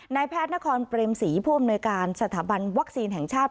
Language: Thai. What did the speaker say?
นายแพทย์นครเปรมศรีผู้อำนวยการสถาบันวัคซีนแห่งชาติ